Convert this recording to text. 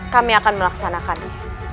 kami akan melaksanakannya